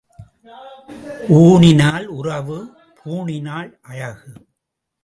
ஊணினால் உறவு பூணினால் அழகு.